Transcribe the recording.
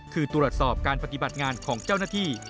คือตรวจสอบการปฏิบัติงานของเจ้าหน้าที่